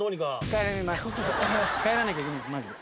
帰らなきゃいけないんですマジで。